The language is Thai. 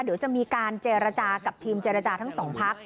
เดี๋ยวจะมีการเจรจากับทีมเจรจาทั้งสองพัก